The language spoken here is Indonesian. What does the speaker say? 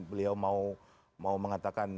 beliau mau mengatakan